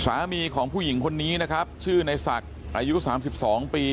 สามีของผู้หญิงคนนี้นะครับชื่อในศักดิ์อายุ๓๒ปี